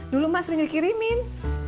dulu mak sering dikirimin